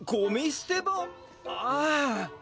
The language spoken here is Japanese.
ああ。